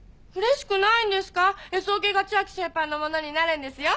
Ｓオケが千秋先輩のものになるんですよ。